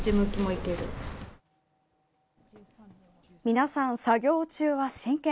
皆さん、作業中は真剣。